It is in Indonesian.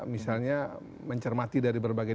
misalnya mencermati dari berbagai